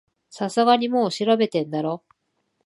さすがにもう調べてんだろ